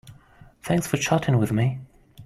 Thanks for chatting with me.